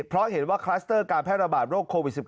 เพราะเห็นว่าคลัสเตอร์การแพร่ระบาดโรคโควิด๑๙